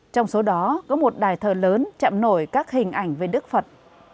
trong số đó có một đài thờ lớn chạm nổi các hình ảnh về đức phật